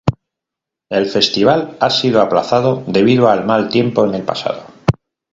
El festival ha sido aplazado debido al mal tiempo en el pasado.